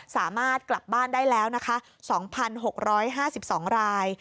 สามารถกลับบ้านได้แล้วนะคะ๒๖๕๒ราย